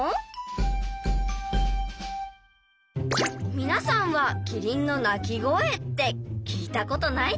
皆さんはキリンの鳴き声って聞いたことないですよね？